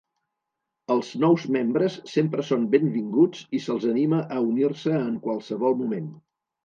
Els nous membres sempre són benvinguts i se'ls anima a unir-se en qualsevol moment.